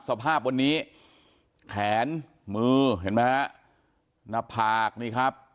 สภาพวันนี้แขนมือเห็นไหมฮะหน้าผากนี่ครับ